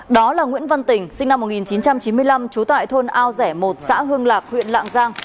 đó là nguyễn văn tình sinh năm một nghìn chín trăm chín mươi năm trú tại thôn ao rẻ một xã hương lạc huyện lạng giang